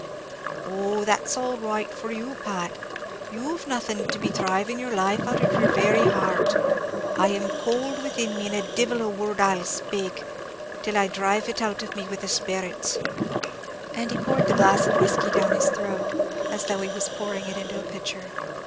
"Oh, that's all right for you, Pat; you've nothing to be dhriving the life out of yer very heart. I am cowld within me, and divil a word I'll spake, till I dhriv it out of me with the sperrits," and he poured the glass of whiskey down his throat, as though he was pouring it into a pitcher.